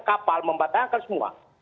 kapal membatalkan semua